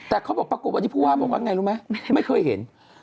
แต่เขาบอกปรากฏวันนี้ผู้ว่าบอกว่าไงรู้ไหมไม่เคยเห็น